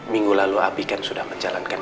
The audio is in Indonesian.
minggu lalu api kan sudah menjalankan